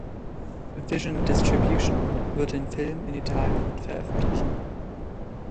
Vision Distribution wird den Film in Italien veröffentlichen.